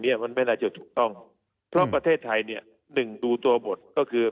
เนี้ยมันไม่น่าจะถูกต้องเพราะประเทศไทยเนี่ยหนึ่งดูตัวบทก็คือ